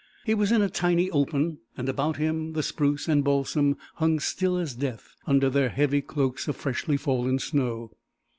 He was in a tiny open, and about him the spruce and balsam hung still as death under their heavy cloaks of freshly fallen snow.